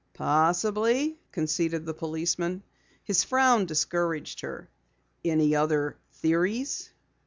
"Possibly," conceded the policeman. His frown discouraged her. "Any other theories?"